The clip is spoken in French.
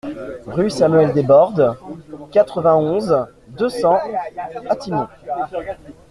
Rue Samuel Debordes, quatre-vingt-onze, deux cents Athis-Mons